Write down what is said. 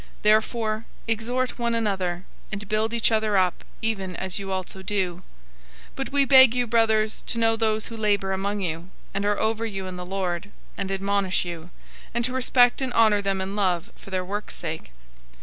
005:011 Therefore exhort one another, and build each other up, even as you also do. 005:012 But we beg you, brothers, to know those who labor among you, and are over you in the Lord, and admonish you, 005:013 and to respect and honor them in love for their work's sake.